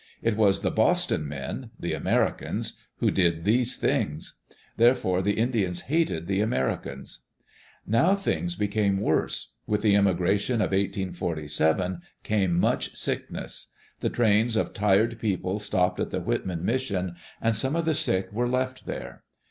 It was the "Boston men," the Americans, who did these things. Therefore the Indians hated the Amer icans. Now things became worse. With the immigration of 1847 came much sickness. The trains of tired people stopped at the Whitman mission, and some of the sick were left there.